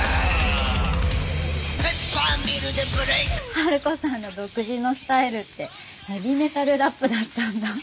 春子さんの独自のスタイルってヘヴィメタルラップだったんだ。